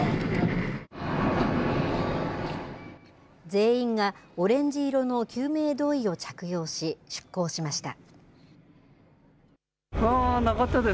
全員がオレンジ色の救命胴衣を着用し、出港しました。